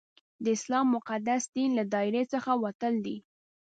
د اسلام د مقدس دین له دایرې څخه وتل دي.